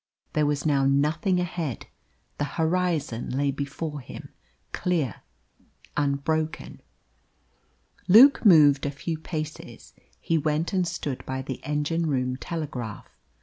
There was now nothing ahead; the horizon lay before him, clear, unbroken. Luke moved a few paces. He went and stood by the engine room telegraph.